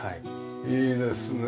いいですね。